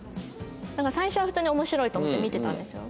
最初は普通に面白いと思って見てたんですよ。